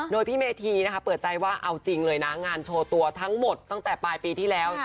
โดยพี่เมธีนะคะเปิดใจว่าเอาจริงเลยนะงานโชว์ตัวทั้งหมดตั้งแต่ปลายปีที่แล้ว